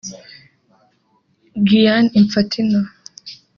Gianni Infantino